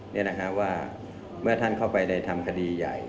นี่นะคะว่าเมื่อท่านเข้าไปในทำคดีใหญ่